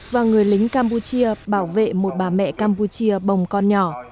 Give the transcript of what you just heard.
và người lính campuchia bảo vệ một bà mẹ campuchia bồng con nhỏ